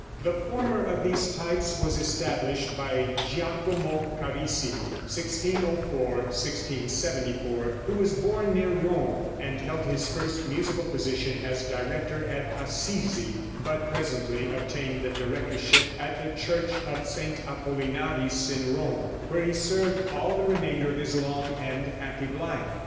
The former of these types was established by Giacomo Carissimi (1604 1674), who was born near Rome, and held his first musical position as director at Assisi, but presently obtained the directorship at the Church of St. Apollinaris in Rome, where he served all the remainder of his long and active life.